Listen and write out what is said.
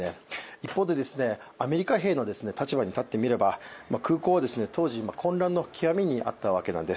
一方で、アメリカ兵の立場に立ってみれば空港は当時混乱の極みにあったわけなんです。